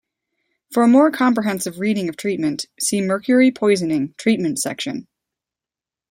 For a more comprehensive reading of treatment, see Mercury poisoning, 'Treatment' section.